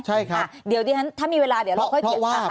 ใช่ครับ